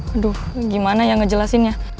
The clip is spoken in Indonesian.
aduh gimana ya ngejelasinnya